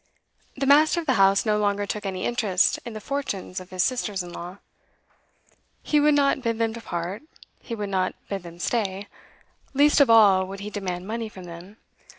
The master of the house no longer took any interest in the fortunes of his sisters in law. He would not bid them depart, he would not bid them stay, least of all would he demand money from them.